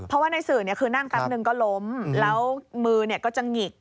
เพราะว่าในสื่อคือนั่งแป๊บนึงก็ล้มแล้วมือก็จะหงิก